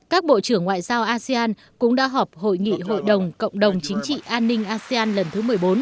các bộ trưởng ngoại giao asean cũng đã họp hội nghị hội đồng cộng đồng chính trị an ninh asean lần thứ một mươi bốn